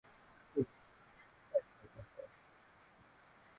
Kutenganisha jina la mchapishaji na mwaka wa uchapishaji katika udondozi mabano